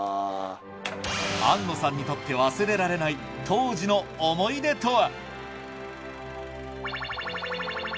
庵野さんにとって忘れられない当時の思い出とは？